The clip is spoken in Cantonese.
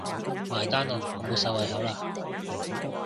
埋單囉，我無晒胃口喇